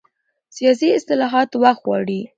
سیاسي اصلاحات وخت غواړي